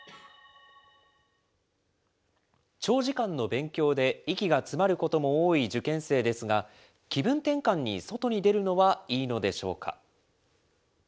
長時間の勉強で息が詰まることも多い受験生ですが、気分転換に外に出るのはいいのでしょうか。